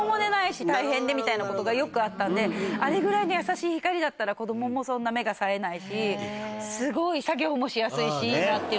みたいなことがよくあったんであれぐらいの優しい光だったら子供もそんな目がさえないしすごい作業もしやすいしいいなっていうのと。